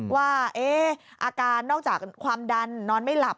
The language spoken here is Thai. ว่าอาการนอกจากความดันนอนไม่หลับ